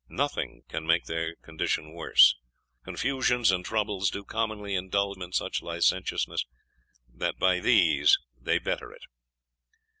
Nothing can make their condition worse: confusions and troubles do commonly indulge them in such licentiousness, that by these they better it."